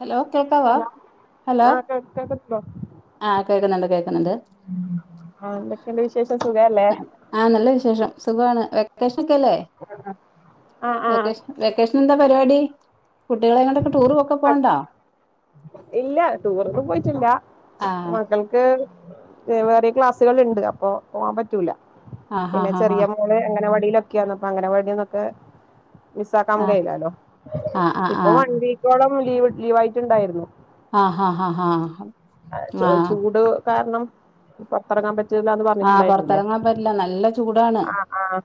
Hello കേക്കാവൊ hello hello ആഹ് കേൾക്കുന്നുണ്ടോ ആഹ് കേൾക്കുന്നുണ്ട് കേക്കുന്നുണ്ട് ആഹ് എന്തൊക്കെയുണ്ട് വിശേഷം സുഖല്ലേ ആഹ് നല്ല വിശേഷം സുഖമാണ് വെക്കേഷൻ ഒക്കെല്ലേ ആഹ് ആഹ് വെക്കേഷൻ വെക്കേഷൻ എന്താ പരിപാടി കുട്ടികളെ ങ്ങൊട്ടൊക്കെ ടൂറൊക്കെ പോണണ്ടാ ഇല്ല ടൂറൊന്നും പോയിട്ടില്ല ആഹ് മക്കൾ വേറെ വെവ്വേറെ ക്ലാസ്സുകൾ ഉണ്ട് അപ്പൊ പോകാൻ പറ്റൂല ആഹ് പിന്നെ ആഹ് ചെറിയ മോൻ ലെ അങ്ങനവാടിയിലൊക്കെയാന്ന്‌ അപ്പൊ അങ്ങനവാടിന്നൊക്കെ മിസ്സാക്കാൻ ആഹ് കയില്ലാലോ ആഹ് ആഹ് ആഹ് ഇപ്പൊ വൺ വീക്കോളം ലീവ് ലീവ് ആയിട്ടുണ്ടായിരുന്നു ആഹ് ഹാ ഹാ ഹാ ആ ചൂ ചൂട് കാരണം പുറത്തിറങ്ങാൻ പറ്റൂല്ലാന്ന് ആഹ് പറഞ്ഞിട്ടുണ്ടായിരുന്നില്ലേ പുറത്തിറങ്ങാൻ പറ്റില്ല നല്ല ചൂടാണ് ആഹ് ആഹ്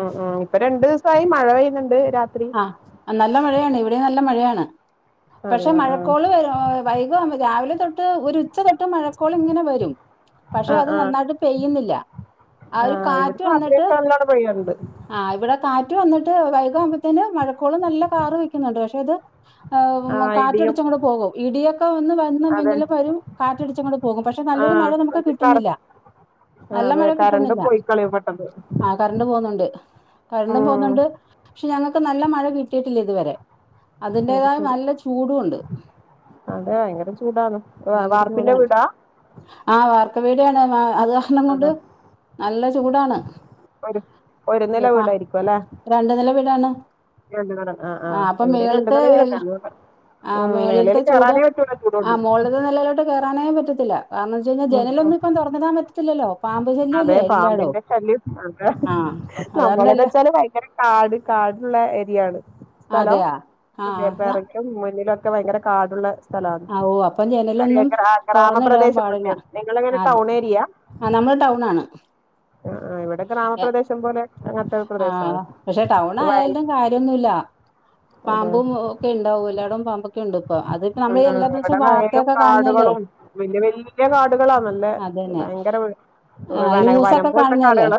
ഉം ഉം ഇപ്പ രണ്ടു ദിവസമായി മഴ പെയ്യുന്നുണ്ട് രാത്രി ആഹ് നല്ല മഴയാണ് ഇവിടെ നല്ല മഴയാണ് അതെ പക്ഷെ ആഹ് മഴക്കോള് വൈക് രാവിലെ തൊട്ട് ഒരു ഉച്ച തൊ ട്ട് മഴക്കോള് ഇങ്ങനെ വരും പക്ഷെ ആഹ് അത് ആഹ് നന്നായിട്ട് പെയ്യുന്നില്ല ആ ഒരു ആഹ് ഇവിടെ കാറ്റ് വന്നിട്ട് രാത്രിയൊക്ക നല്ലോണം പെയ്യണ്ടു ആഹ് ഇവിടെ കാറ്റ് വന്നിട്ട് വൈക ആവുമ്പത്തേന് മഴക്കോള് നല്ല കാറ് വെക്കുന്നുണ്ട് പക്ഷെ ഇത് ആഹ് ഇടിയും കാറ്റടിച്ചങ്ങട് പോകും ഇടിയൊക്കെ വന്ന് വന്നു അതെ മിന്നലും വരും കാറ്റടിച്ചങ്ങട് പോകും പക്ഷെ നല്ലൊരു മഴ ആഹ് നമുക്ക് എനിക്ക് കറ കിട്ടുന്നില്ല നല്ല അതെ മഴ കറണ്ട് കിട്ടുന്നില്ല പോയിക്കളയും പെട്ടെന്ന് ആ കറണ്ട് പോകുന്നുണ്ട് കറണ്ടും ഉം പോകുന്നുണ്ട് ക്ഷെ ഞങ്ങക്ക് നല്ല മഴ കിട്ടിയിട്ടില്ല ഇതുവരെ അത് അതിന്റേതായ ശരി നല്ല ചൂടും ഉണ്ട് അതെ വയങ്കര ചൂടാണ് വാർപ്പിന്റെ വീടാ ആ വാർക്ക വീടാണ് അത് കാരണം കൊണ്ട് അതെ നല്ല ചൂടാണ് ഒരു ഒരു നില വീടായിരിക്കും അല്ലെ രണ്ട് നില വിടാ രണ്ട് നില ആഹ് അപ്പൊ ഇവിടെ രണ്ട് മേളത്തെ നില എല്ല വീടന്നെ ആഹ് ഉം മേളിത്തെ മേലേല് ചൂട് കേറാനേ പറ്റൂല ആ ചൂടോണ്ട് ളിലത്തെ നിലേലോട്ട് കേറാനേ പറ്റത്തില്ല കാരണംന്നുച്ചയിഞ്ഞ ഉം ഉം ജനലൊന്നുംപ്പ തുറന്നടാൻ പറ്റത്തില്ലല്ലൊ പമ്പ് ശല്യം അതെ പാമ്പിന്റെ ശല്യം അതേ ആ അതുകാരണം എല്ലാ നമ്മളന്ന്ച്ചാല് ഭയങ്കര കാട് കാട്ള്ള ഏരിയയാണ് സ്ഥലം അതെയാ ആ ക്കെ പ്പൊ ആ ഇറങ്ങും മുന്നിലൊ ക്കെ ഭയങ്കര കാടുള്ള ആ, ഓ അപ്പം ജനലൊന്നും ഗ്രാമ തുറന്നിടാൻ പ്രദേശം ആണ്. നിങ്ങൾ എങ്ങനെ ടൌൺ ഏരിയ ആഹ് നമ്മള് ടൗൺ ആണ് ആഹ് ആഹ് ഇവിടെ ഏ ഗ്രാമപ്രദേശം പോലെ അങ്ങനത്തെ ഒരു പ്രദേശാണ് ആഹ പക്ഷെ ടൗൺ ഈ വയൽ ആയാലും കാര്യന്നുല്ല അതെ പാമ്പും ഒക്കെ ഉണ്ടാവും എല്ലാടവും പാമ്പൊക്കെ ഉണ്ട് ഇപ്പൊ അത് ഉ ഇവിടെ വയലും കാടുകളും വല്യ വല്യ കാടുകളാ നല്ല അതന്നെ ഭയങ്കര ഓ ആ വനം ന്യൂസൊക്കെ വനംമ്പോലത്തെ കാണുന്നല്ലേ കാടുകള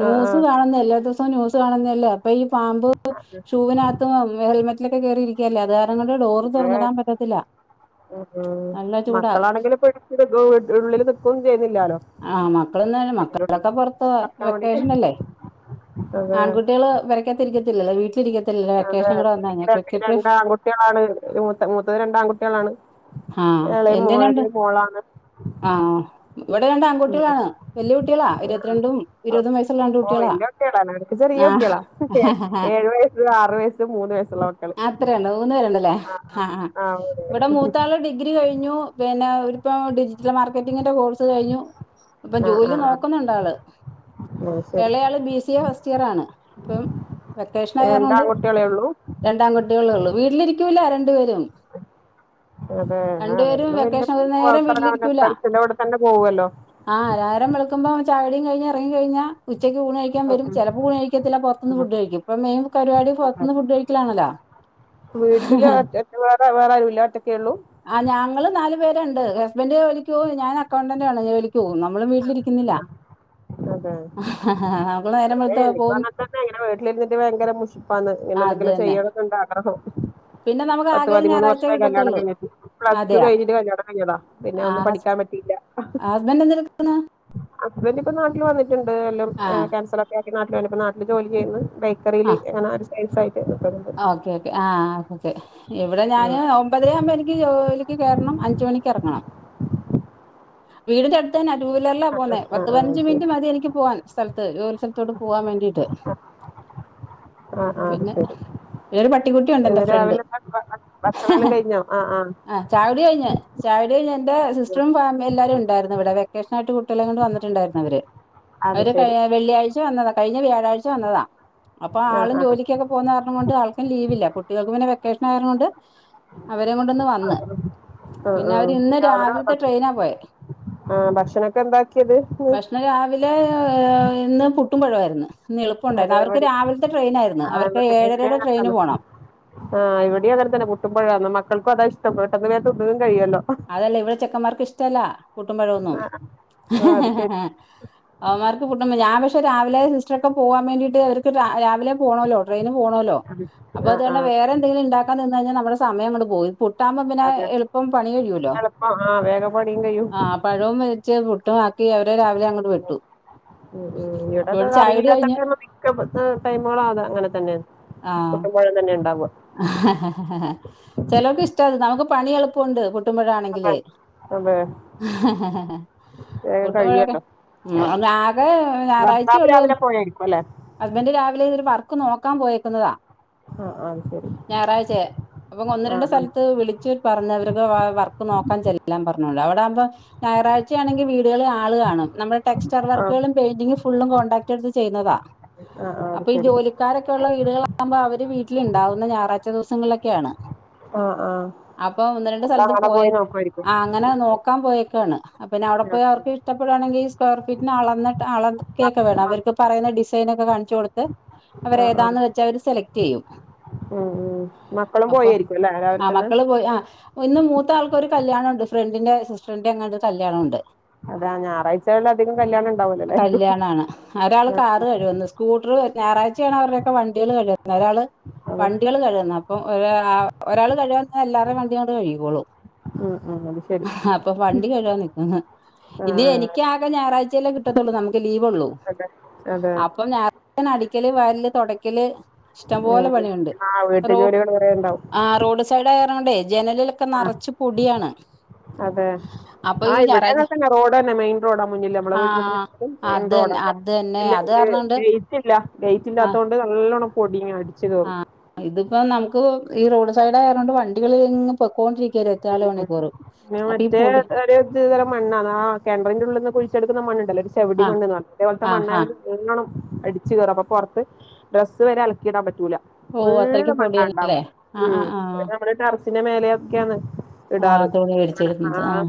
ന്യൂസ് കാണുന്നല്ലാ യൂസ് കാണുന്നേല്ലേ അപ്പൊ ഈ പാമ്പ് ഷൂവിനകത്തും ഹെൽമെറ്റിലൊക്കെ കേറിയിരിക്കല്ലേ അത് അതുകൊണ്ട് ഡോറ് തൊറന്നിടാൻ പറ്റത്തില്ല ഉ ഉം നല്ല ചൂടാ മക്കളാണെങ്കില് ഇപ്പൊ ഇടെ ഉള്ളില് നിക്കും ചെയ്യുന്നില്ല ആ മക്കളൊന്നുല്ല മക്കളൊക്കെ പുറത്ത് നടക്കാൻ വേണ്ടിട്ട് വെക്കേഷനല്ലേ അതെ ആൺകുട്ടികള് പെരക്കാത്തി ഇരിക്കത്തില്ലല്ലോ വീട്ടിലിരിക്ക അതാണ് ഇൻക്ക് രണ്ട് ആൺകുട്ടികൾ കുട്ടികളാണ് മൂത്ത മൂത്തത് രണ്ട് ആൺകുട്ടികളാണ് ആ എളെ മോള രു മോളാണ് ആഹ് ഇവിടെ രണ്ട് ഉം ആൺകുട്ടികളാണ് വല്യ കുട്ടികളാ ഇരുപത്തിരണ്ടും ഇരുപതും വയസുള്ള രണ്ട് കുട്ടികളാ ൻക്ക് ചെറിയ ആ കുട്ട്യള ഏഴ് വയസ്സ് ആറ് വയസ് മൂന്ന് വയസ്സ് അത്രയുള്ളൂ മൂന്ന് പേരുള്ളുലേ ആഹ് ആഹ് ആ ഇവിടെ ഡിഗ്രി കഴിഞ്ഞു പിന്നെ ഒരിപ്പം ഡിജിറ്റൽ മാർക്കറ്റിങ്ങിന്റെ കോഴ്സ് കഴിഞ്ഞു അപ്പൊ ആ അതെ അതെ ആ ജോലി ആ ആ നോക്കുന്നുണ്ട് ആള് അത് ശരി ഇളയാള് B C A first year ആണ് പ്പം വെക്കേഷൻ രണ്ട് ആയിറഞ്ഞോണ്ട് ആൺകുട്ടികളേ ഉള്ളൂ രണ്ടാംകുട്ടികളള്ളൂ വീട്ടിലിരിക്കൂല രണ്ടുപേരും അതെ ആ രണ്ടുപേരും അവരില്ലാം വല്യ വെക്കേഷൻ ഒരു നേരം പൊറത്തിറങാന് ഫ്രണ്ട്സിന്റെ കൂടെ തന്നെ പോവല്ലോ ആഹ നേരം വെളുക്കുമ്പോ ചായക്കുടീം കയിഞ്ഞു ഇറങ്ങി കഴിഞ്ഞാ ഉച്ചക്ക് ഊണ് ക്കാൻ വരും ഉം ചിലപ്പോ ഊണ് കഴിക്കത്തില്ല പോറത്തുന്നു ഉം ഫുഡ് കഴിക്കും ഇപ്പൊ മെയിൻ പരിപാടി ഉം അതെ പൊറത്തുന്ന് ഫുഡ് കഴിക്കലാണല്ലോ വീട്ടില് ഒറ്റ വേറെ വേറാരുല്ല ഒറ്റക്കെള്ളൂ ആഹ് ഞങ്ങള് നാല് പേരുണ്ട് ഹസ്ബന്ഡറ് ജോലിക്ക് പോവും ഞാൻ അക്കൗണ്ടന്റാണ് ജോലിക്ക് പോവും നമ്മളും വീട്ടിലിരിക്കുന്നില്ല [inaudible] ആഹ് ആഹ് ആ ഏ് എനിക്കങ്ങനെ തന്നെ ഇങ്ങനെ വീട്ടിലിരുന്നിട്ട് ഭയര മുഷപ്പന്ന് ഇങ്ങനെ അത് എന്തെങ്കിലും തന്നെ ചെയ്യണം എന്നുണ്ട ആഗ്രഹം പിന്നെ നമുക്ക് പത്ത് ആകെ ഒരു പതിമൂന്ന് ഞായറാഴ്ച കല്യാണം കിട്ടത്തുള്ളൂ കഴിഞ്ഞ്ട്ട് പ്ലസ് റ്റു അതെയാ കഴിഞ്ഞിട്ട് കല്യാണം കഴഞ്ഞതാ പിന്നെ ഒന്നും പഠിക്കാൻ പറ്റിയില്ല ആ ഹസ്ബൻഡറ് എന്തെക്കുന്ന് ഹസ്ബന്റ ഇപ്പ നാട്ടിൽ വന്നിട്ടുണ്ട് എല്ലാം ആ ക്യാൻസെൽ ഒക്കെ ആക്കി നാട്ടില് വന്നപ്പ നാട്ടില് ജോലി ചെയ്യുന്ന് [unintelligible] ആ ഓക്കേ ഓക്കേ ആ ഓക്കെ ഇവിടെ ഞാന് മ്പതരയാകുമ്പോ എനിക്ക് ജോലിക്ക് കേറണം അഞ്ചുമണിക്ക് എറങ്ങണം വീടിന്റെ എട് ത് ട് ത്തന്നെ ടു വീലറില പോകുന്നേ പത്ത് പതിനഞ്ച് മിനിറ്റ് മതി എനിക്ക്‌ പോകാൻ സ്ഥൽത്ത് ജോലി സ്ഥലത്തോട്ട് പോവാൻ വേണ്ടീട്ട് ആ ആ അത് ശരി ഒരു പട്ടികുട്ടി ഉണ്ട് എന്റെ ഇന്ന് ഫ്രണ്ട് രാവിലെ ഭ- ഭ- ഭക്ഷണം എല്ലാം കഴിഞ്ഞോ ആ ആ ചായ കുടി കഴിഞ് ചായുടി കഴിഞ് എന്റെ സിസ്റ്ററും ഫാമിലി എല്ലാരും ഉണ്ടായിരുന്നു ഇവിടെ വെക്കേഷനായ്ട്ട് കുട്ട്യേളേം കൊണ്ട് വന്നിട്ട്ണ്ടായ്ര്ന്നു അവര് അത് അവര് കഴി ശരി വെള്ളിയാഴ്ച വന്നതാ കഴിഞ്ഞ വ്യാഴാഴ്ച വന്നതാ അപ്പൊ ആ ആളും ആ ജോലിക്ക്യക്കെ പോകുന്ന കാര്ണം കൊണ്ട് ആൾക്കും ലീവില്ല കുട്ടികൾക്ക് പിന്നെ വെക്കേഷനായ കാര്ണം കൊണ്ട് അവരെ കൊണ്ടൊന്ന് ആ, വന്ന് ആ പിന്നെ ആ അവർ ഇന്ന് രാവിലത്തെ [unintelligible] ട്രെയിനാ പോയത് ആ ഭക്ഷണൊക്കെ എന്താക്കിയത് ഇന്ന് രാവിലെ ഇന്ന് പുട്ടും പഴവും ആയിര്ന്ന് ന്ന് എളുപ്പംണ്ടായിരുന്നു അതെ അവർക്ക് ഇവിടെ രാവിൽത്തെ ട്രെയിന് ആയിരുന്നു ആ അവർക്ക് ഇവിടെ ഇവിടെ ഏഴരയുടെ അങ്ങനെ ട്രെയിന് തന്നെ പോണം ആ ഇവടീം അങ്ങൻ തന്നെ പുട്ടും പഴ വും ആന്ന് മക്കൾക്കും അതാ ഇഷ്ടം പെട്ടെന്ന് വേഗം തിന്നുകയും കഴിയുമല്ലോ അതല്ല ഇവ്ടെ ചെക്കന്മാർക്ക് ഇഷ്ടല്ല പുട്ടും പഴവൊന്നും ! ! ആ അത് ശരി അവമ്മാർക്ക് പുട്ടും ഞാൻ പക്ഷ രിലെ സിസ്റ്റർക്കൊക്കെ പോവാൻ വേണ്ടീട്ട് അവർക്ക് രാവിലെ പോണമല്ലോ ട്രെയിന് പോണമല്ലോ അപ്പൊ ആ അത്‌ ആ കൊണ്ട് വേറെ എന്തെങ്കിലും ഉണ്ടാക്കാ നിന്ന് കഴിഞ്ഞാൽ നമ്മളെ സമയം ങ്ങണ്ട് പോവും പുട്ടാവുമ്പോ പിന്നെ അതെ എളുപ്പം പണി കഴിയോലോ എളുപ്പം ആ വേഗം പണിയും കഴിയും ആ പഴവും വരിച്ച് പുട്ടും ആക്കി അവരെ രാവിലെ അങ്ങോട്ട് വിട്ടു ആ ആ അപ്പൊ ഇവിടക്കെ ഇവിടെ ചായ കുടി കഴിഞ്ഞ് കറിയില്ലാത്തൊക്കെ മിക്ക ടൈമുകളും അത അങ്ങൻ തന്നെയാ ആഹ് പഴം തന്നെ ഇണ്ടാവ ചെലോൽക്ക് ഇഷ്ടാ അത് നമുക്ക് പണി എളുപ്പുണ്ട് പുട്ട് പുട്ടും പഴം ആണെങ്കില് അതെ അതെ വേഗം പുട്ടും പഴവൊക്കെ കഴിയല്ലോ അത് ആകെ ഞായറാഴ്ച ഭർത്താവ് ഉള്ളൂ. രാവിലെ പോയായിരിക്കും അല്ലെ ഹസ്ബൻറ്റ് രാവിലെ ഇതൊരു വർക്ക് നോക്കാൻ പോയേക്കുന്നതാ ആഹ് ആഹ് ഞായറാഴ്ചയാ അപ്പ അങ്ങ് ഒന്ന് രണ്ട് സ്ഥൽത്ത് വിളിച്ച് പറഞ്ഞവര്ക്ക് വർക്ക് നോക്കാൻ ചെല്ലാൻ പറഞ്ഞോളൂ അവടാവുമ്പോ ഞായറാഴ്ചയാണെങ്കി വീടുകള് ആള് കാണും നമ്മൾ ടെക്സ്റ്റർ ആ വർക്കുകളും പെയിന്റിംഗ് ഫുള്ളും കോൺടാക്ട് എടുത്ത് ചെയ്യുന്നതാ ആ ആ അത് അപ്പൊ ഈ ശരി ജോലിക് ജോലി ക്കാരൊക്കെ ഉള്ള വീടുകളാകുമ്പോ അവര് വീട്ടില് ണ്ടാവും ന്ന് ഞായറാഴ്ച ദിവസങ്ങളിലൊക്കെയാണ് ആഹ് ആഹ് അപ്പൊ ഒന്ന് രണ്ട് സ്ഥലത്ത് പോയി ആ അങ്ങനെ നോക്കാൻ പോയേക്കേണ് പിന്നെ അവ്ടെ പോയി ഉം. അവർക്ക് ഇഷ്ടപ്പെടുവാണെങ്കി ഈ സ്ക്വയർ ഫീറ്റിന് അളന്നട്ട് അള ആ കേക്ക വേണം ആ അവർക്ക് പറയുന്ന ഡിസൈനൊക്കെ കാണിച്ചു കൊടുത്ത് അവർ ആ ആ ആ. ഏതാന്ന് വെച്ചാൽ അവര് സെലക്ട് ചെയ്യും ഉം ഉം മക്കളും അപ്പൊ പോയേരിക്കും ല്ലേ രാവിൽ ആ തന്നെ മക്കള് പോയി ആ ഓ ഇന്ന് മൂത്ത ആൾക് ഒരു കല്യാണം ഉണ്ട് ഫ്രണ്ടിന്റെ സിസ്റ്ററിന്റെങ്ങനൊ ഒരു കല്യാണം ഉണ്ട് അതാ ഞായറാഴ്ചകളിൽ അധികം കല്യാണം ഉണ്ടാവൂലോ എല്ലാവർക്കും കല്യാണാണ് ഒരാള് ആ കാറ് കഴ്കുന്ന് സ്‌ സ്കൂട്ടറ് ഞായറാഴ്ചയാണ് അവരുടെ ഒക്കെ വണ്ടികള് കഴ്കുന്നത് ഒരാള് അതെ വണ്ടികൾ കഴ്ക്ന്നു അപ്പം ഒ ആ ഒരാള് കഴ്കാന്നാ എല്ലാരേം വണ്ടി അങ്ങട്ട് കഴികി കോളും ഉം ഉം അത് ശരി അപ്പൊ വണ്ടി കഴ്കാൻ നിക്കാണ് ആ പിന്നെ ആ എനിക്ക് ആകെ ഞായറാഴ്ചയല്ലേ കിട്ടത്തുള്ളൂ നമുക്ക് ലീവ് ഉള്ളൂ അതെ അതെ ൻ അടിക്കല് വാരല് തൊടക്കല് ഇഷ്ടംപോലെ പണിയുണ്ട് ആഹ് വീട്ട് റോ ജോലികൾ കുറെ ഉണ്ടാവും ആ റോഡ് സൈഡ് ആയാർന്ന് കൊണ്ട് ജനലിലൊക്കെ ആ നിറച്ച് പൊടിയാണ് അതെ അപ്പൊ ഈ ആഹ് ഞായറാഴ്ച ഇവിടേതക്കെന്നെ റോഡ തന്നെ മെയിൻ റോഡാ മുന്നില്ലേ നമ്മള് ആ വീട് മെയിൻ അത് തന്നെ റോഡൊക്ക അത് തന്നെ ഇല്ല അത് കാരണംണ്ട് ഗേറ്റ്ല്ല ഗേറ്റ് ആ ഇല്ലാത്ത കൊണ്ട് നല്ലവണ്ണ പൊടി അടിച് കേറും ഇതിപ്പോം നമുക്ക് ഈ റോഡ് സൈഡ ആയതൊണ്ട് വണ്ടികൾ പൊക്കൊണ്ടിരിക്കയിരിക്കും ഇരുപത്തി നാല് കയറും മണിക്കൂറും പിന്നെ അപ്പൊ ഈ മറ്റേ പൊടി അ തം മണ്ണാണ് ആ കിണറിന്റെ ഉള്ളിൽ നിന്ന് കുഴിച്ചെടുക്കുന്ന മണ്ണുണ്ടല്ലോ ഒരു ചെവടി ആ മണ്ണന്ന് പറഞ്ഞ അതേപോലത്തെ ആ ആ മണ്ണായിണം അടിച്ച് കയറും അപ്പൊ പുറത്ത് ഡ്രസ്സ് വരെ അലക്കിയിടാൻ പറ്റൂല ഓ അത്രയ്ക്ക് ഫുള്ള് മണ്ണ പൊടിയാണ് ഉണ്ടാവ ആ ഉ ആ ആ നമ്മള് ടറസിന്റെ മേലെക്കെയന്ന് ആഹ് തുണി [unintelligible] ആ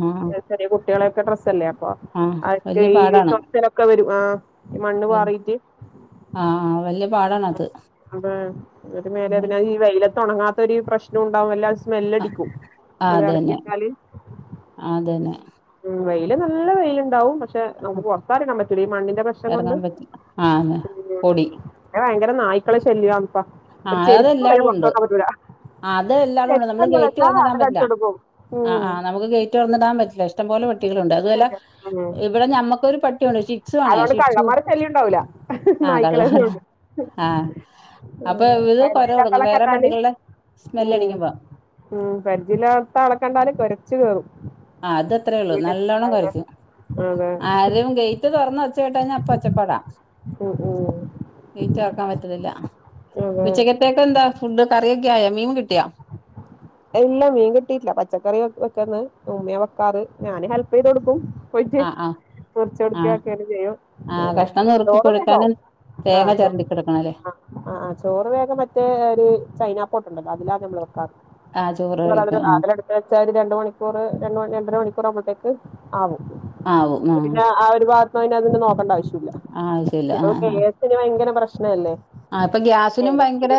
ചെറിയ കുട്ടികളെയൊക്കെ ഡ്രസ്സല്ലേ അപ്പൊ ആ അക്കെ വല്യ ഈ പാടാണ് ചൊർച്ചലൊക്കെ വരും ആ ഈ മണ്ണ് പാറീറ്റ് ആഹ് വല്ല അതെ അത് മേലെ ആ അതിന ഈ വെയിലത്ത ഉണങ്ങാത്തൊരു പ്രശ്നം ഉണ്ടാവുംല്ല സ്മെല്ലടിക്കും ഇത് അത് തന്നെ ഇറക്കിയിട്ടാല് അത് തന്നെ ഉ വെയില് നല്ല വെയിലുണ്ടാവും പക്ഷെ നമുക്ക് പുറത്തറക്കാൻ പറ്റൂല ഈ മണ്ണിന്റെ പ്രശ്നം കൊണ്ട് ആന്ന് പൊടി പിന്നെ ഭയങ്കര നായ്ക്കളെ ശല്യമാ ഇപ്പ ഒരു ആഹ് ചെരുപ്പ് വരെ അതെല്ലാടും പുറത്ത് ഉണ്ട് വെക്കാൻ പറ്റൂല അത് എല്ലാടും ഉണ്ട് നമ്മള് ചെരുപ്പല്ല ഗേറ്റ് വെച്ചാ തുറന്നിടാൻ അത് പറ്റില്ല കടിച്ചോണ്ട് പോവും. ആഹ് ഉം. ആഹ് നമുക്ക് ഗേറ്റ് തുറന്നിടാൻ പറ്റില്ല ഇഷ്ട ഇഷ്ടം പോലെ പട്ടികളണ്ട് അതുല്ല ഉം. ഇവിടെ നമ്മുക്കൊരു പട്ടിയുണ്ട്ക്സ് അതുകൊണ്ട് [unintelligible] കള്ളന്മാരെ ശല്യം ഉണ്ടാവൂല ആഹ് കള്ളമാരുടെ ആഹ് അപ്പൊ ഇത് പരിജയ കൊര ഇല്ലാത്ത തുടങ്ങും ആളെ വേറെ കണ്ടാല് പട്ടികളുടെ സ്മെല്ല് അടിക്കുമ്പോ ഉം പരിചില്ലാത്ത അ ളെ കണ്ടാല് കൊരച്ച് കേറും ആഹ് അത് ത്രേ ഉള്ളു വീട് നല്ലോണം അതെ. കൊരക്കും അതെ. ആരും ഗേറ്റ് തുറന്ന് ഒച്ച കേട്ടാ അപ്പ ഒച്ചപാടാം ഉ ഉ ഗേറ്റ് തുറക്കാൻ പറ്റത്തില്ല ഉച്ചക്കത്തൊക്കെ എന്താ ഫുഡ് കറിയൊക്കെ ആയ മീൻ കിട്ടിയോ ഇല്ല മീൻ കിട്ടിട്ടില്ല പച്ചക്കറി വെക്കന്ന് ഉമ്മയ വെക്കാറ് ഞാന് ഹെല്പ് ചെയ്ത് കൊടുക്കും പൊരിച്ച് ആഹ് ആഹ് പൊരിച്ച്കൊടക്ക ആഹ് ഒക്കെ ചെയ്യും ആഹ് കഷ്ണം നുറുക്കി ചോറക്കും കൊടുക്കാനും [unintelligible] തേങ്ങ ചെരണ്ടി കൊടക്കണല്ലേ ആഹ് ആഹ് ചോറ് വേഗം മറ്റേ ഒരു ചൈനാ പോർട്ട്ണ്ടല്ലോ അതിലാ നമ്മൾ വെക്കാറ് ആ ചോറ് കഴിക്കും ആ അതിലെടുത്ത വച്ചാ ഒരു രണ്ട മണിക്കൂർ ര രണ്ടര മണിക്കൂർ ആകുമ്പോഴേക്ക് ആവും പിന്നെ ആ ഒരു ഭാഗത്തു അതിന്നെ നോക്കേണ്ട ആവശ്യല്ല ആ ശരി [unintelligible] ഇ ഭയങ്കര പ്രശ്ന അല്ലേ ആഹ് ഇപ്പൊ ഗ്യാസിനും ഭയങ്കര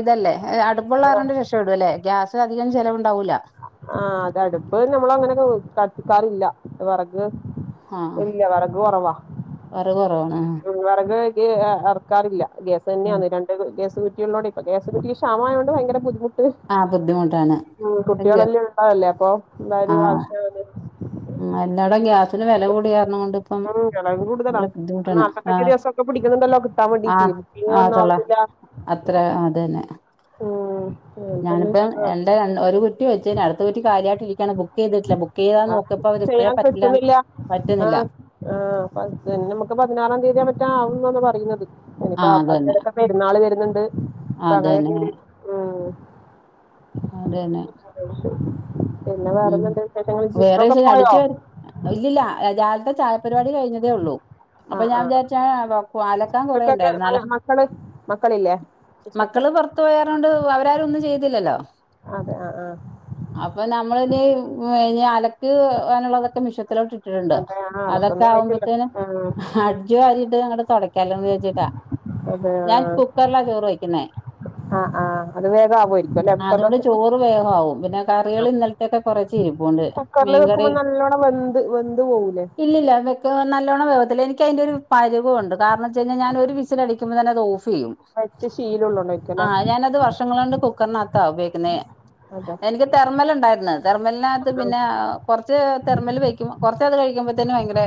ഇതല്ലേ അടുപ്പള്ളാറേണ്ട രക്ഷ ഇടൂ അല്ലേ ഗ്യാ അത് അധികം ചിലവുണ്ടാവൂല്ല ആഹ് അതടുപ്പ് നമ്മൾ അങ്ങനെ കത്തിക്കാറില്ല വിറക് ആ ആ, ഇല്ല വിറക് കൊറവാ വറവ് കുറവാണ് ആ വിറക് ഇറക്കാറില്ല ഗ്യസ് ഉം. തന്നെയാണ് രണ്ട് ഗ്യാസ് കുറ്റിയുള്ളൊണ്ട് ഇപ്പ ഗ്യാസ് കുറ്റിക്ക് ക്ഷാമമായോണ്ട് ഭയങ്കര ബുദ്ധിമു ആഹ് ബുദ്ധിമുട്ടാണ് അയ്യോ കുട്ടികളെല്ലാം ഉള്ളതല്ലേ അപ്പൊ എന്തായാലും ആവശ്യം മ് എല്ലാതെ ഗ്യാസിന് വില കൂടിയാരണം കൊണ്ട് ഇപ്പം [unintelligible] കൂട്തലാ നല്ല ബുദ്ധിമുട്ടാണ് ആ നാല്പത്തഞ്ച് ദിവസമൊക്കെ പിടിക്കുന്നുണ്ടല്ലോ കിട്ടാൻ ആ വേണ്ടീട്ട് [unintelligible] ആ ഒന്നും തൊള്ള ആവുന്നില്ല. അത്ര അതന്നെ ഉ ഞാനിപ്പം എന്റെ ഒരു കുറ്റി വെച്ച് ണ് അടുത്ത കുറ്റി കാലിയാ യിട്ടിരിക്കയാണ് ബ ബുക്ക് ചെയ്തിട്ടില്ല ബുക്ക് ചെയ്താന്ന് നോക്കിയപ്പോ അവരിപ്പോഴേ പറ്റില്ലാ പറ്റുന്നില്ല. ആഹ പിന്നെ നമുക്ക് പതിനാറാം തീയതിയ പറ്റാ ആവുന്നന്ന് പറയുന്നത്. ആ ഇനിയിപ്പ അതന്നെ അതിടക്ക പെരുന്നാള് വരുന്നുണ്ട് അപ്പ അതന്നെ അങ്ങനെയ ഉ അതന്നെ പിന്നെ വേറെന്തൊക്കെയുണ്ട് വിശേഷങ്ങൾ, സിസ്റ്റംറൊക്കെ പോയോ? ഇല്ലല്ല രാവിലത്തെ ചായപരിപാടി കഴിഞ്ഞതേ ഉള്ളൂ. അപ്പൊ ആഹ് ഞാൻ ആഹ് വിചാരിച്ചു. ആ അലക്കാൻ കുറെ സിസ്റ്റർക്കൊക്കെ ഉണ്ടായിരുന്നു. മ അലക്ക മക്കള് മക്കളില്ലേ സിസ്റ്റർക്ക് മക്കള് പുറത്ത് പോയതോണ്ട് അവരാരും ഒന്നും ചെയ്യതില്ലല്ലോ. അതെ ആ ആഹ അപ്പൊ നമ്മൾ ഇനി ഇനി അലക്ക് ആനുള്ളതൊക്കെ മിഷ്യൻലോട്ട് ഇട്ട് ഇട്ടിട്ടുണ്ട് അതെ ആ അതൊക്കെ അലക്കൊന്നും ആയിട്ടില്ല ആകുമ്പത്തേനു ആ അടിച്ചു വാരിയിട്ട് അങ്ങട്ട് തുടക്കാല്ലോന്ന് വിചാരിച്ചിട്ടാ. അതെ ഞാൻ കുക്കറിലാ ചോറ് വയ്ക്കുന്നേ. ആ ആ ആ അത് വേഗം ആവുമായിരിക്കും അല്ലെ കുക്കറിൽ അതുകൊണ്ട് വെക്കുമ്പോ ചോറ് വേഗമാവും. പിന്നെ ആ കറികൾ ഇന്നലത്തെ കുറച്ചിരിപ്പുണ്ട്. കുക്കറിൽ മീൻ കറി വെക്കുമ്പോ നല്ലോണം വെന്ത് വെന്ത് പോവൂലേ ഇല്ലില്ല, വെക്ക് നല്ലോണം വേവത്തില്ല. എനിക്കതിൻ്റെ ഒരു പരുവം ഉണ്ട്. കാരണംന്ന് വെച്ച് കഴിഞ്ഞാൽ ഞാൻ ഒരു വിസിൽ അടിക്കുമ്പോൾ തന്നെ അത് ഓഫ് ചെയ്യും. വച്ച് ശീലം ഉള്ളോണ്ടായിരിക്കും ല്ലേ. ആഹ് ഞാനത് വർഷങ്ങൾ കൊണ്ട് കുക്കറിനകത്താ ഉപയോഗിക്കുന്നേ. അതെ എനിക്ക് തർമൽ ഉണ്ടായിരുന്നു. തെർമലിനകത്ത് പിന്നെ ആ കുറച്ച് തെർമലിൽ വെക്കുമ്പോ കുറച്ച് അത് കഴിക്കുമ്പോ തന്നെ ഭയങ്കര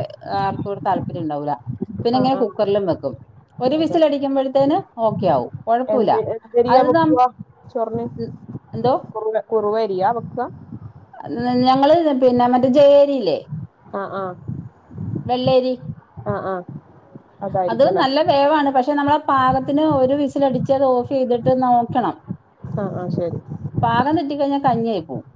ആർക്കും ഒരു താല്പര്യം ഉണ്ടാവില്ല. പിന്നെ ആ ഇങ്ങനെ ആ ആ കുക്കറിലും വെക്കും. ഒരു അതെ വിസിലടിക്കുമ്പോഴത്തേന് ഓക്കെ ആകും. കൊഴപൂല്ല എന്ത് എന്തരിയാ അത് നമ്മ വെക്കുക എന്തോ കുറവരിയാ വെക്കുക ഞങ്ങള് പിന്നെ മറ്റേ ജേ അരില്ലേ? ആഹ ആഹ വെള്ളരി അത് അതായിരിക്കും അല്ലെ നല്ല വേവാണ്. പക്ഷെ നമ്മളെ പാകത്തിന് ഒരു വിസിലടിച്ച്ത് ഓഫ് ചെയ്തിട്ട് നോക്കണം. ആഹ ആഹ ശരി പാകം തെറ്റികഴിഞ്ഞാ കഞ്ഞിയായി പോകും.